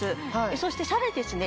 そしてさらにですね